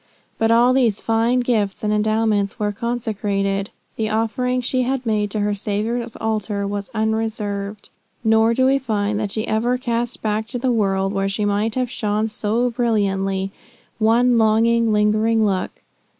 But all these fine gifts and endowments were consecrated; the offering she had made on her Saviour's altar was unreserved; nor do we find that she ever cast back to the world where she might have shone so brilliantly, "one longing, lingering look."